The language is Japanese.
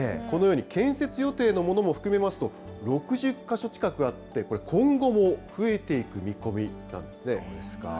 このように建設予定のものも含めますと、６０か所近くあって、これ今後も増えていく見込みなんですね。